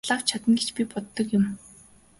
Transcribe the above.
Лав чадна гэж би боддог юм.